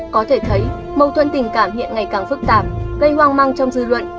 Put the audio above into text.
có thể thấy mâu thuận tình cảm hiện ngày càng phức tạp gây hoang măng trong dư luận